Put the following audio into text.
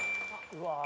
うわ。